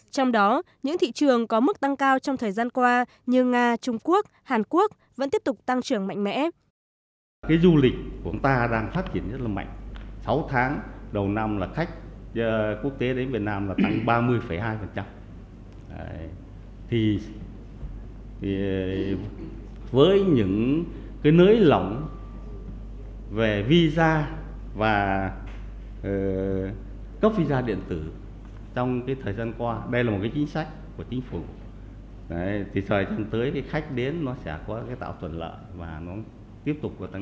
trong đó những thị trường có mức tăng cao trong thời gian qua như nga trung quốc hàn quốc vẫn tiếp tục tăng trưởng mạnh mẽ